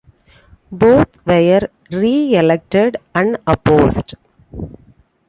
Both were re-elected unopposed.